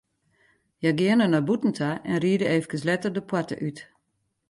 Hja geane nei bûten ta en ride eefkes letter de poarte út.